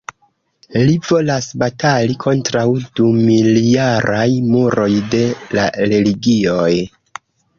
Li volas batali kontraŭ dumiljaraj muroj de la religioj.